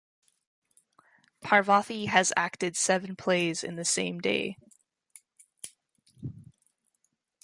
Parvathy has acted seven plays in the same day.